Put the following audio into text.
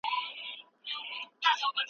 فشار کمول ارامي راولي.